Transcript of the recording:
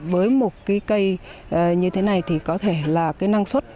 với một cây như thế này có thể là năng suất